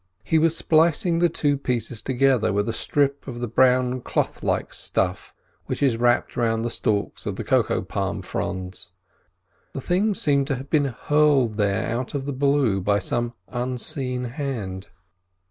He was splicing the two pieces together with a strip of the brown cloth like stuff which is wrapped round the stalks of the cocoa palm fronds. The thing seemed to have been hurled here out of the blue by some unseen hand.